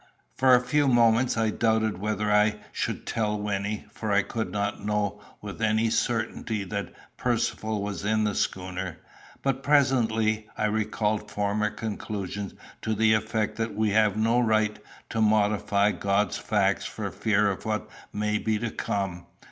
For a few moments I doubted whether I should tell Wynnie, for I could not know with any certainty that Percivale was in the schooner. But presently I recalled former conclusions to the effect that we have no right to modify God's facts for fear of what may be to come.